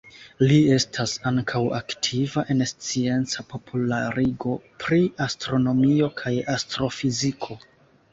Li estas ankaŭ aktiva en scienca popularigo pri astronomio kaj astrofiziko.